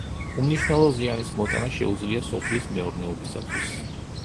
უმნიშვნელო ზიანის მოტანა შეუძლია სოფლის მეურნეობისათვის.